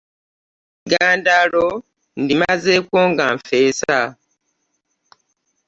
Eggandaalo ndimazeeko nga nfeesa.